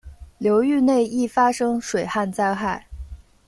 流域内易发生水旱灾害。